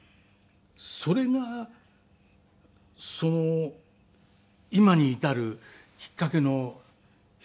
それがその今に至るきっかけの一つでしたね。